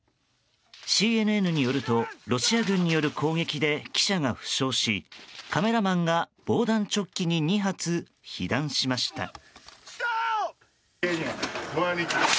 ＣＮＮによるとロシア軍による攻撃で記者が負傷しカメラマンが防弾チョッキに２発被弾しました。